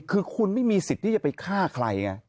คือคุณไม่มีสิทธิ์ที่จะไปฆ่าใครไง